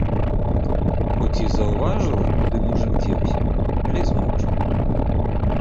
Хоць і заўважыла, куды мужык дзеўся, але змоўчала.